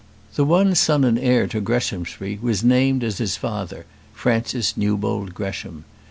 The one son and heir to Greshamsbury was named as his father, Francis Newbold Gresham.